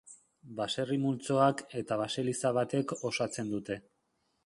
Baserri multzoak eta baseliza batek osatzen dute.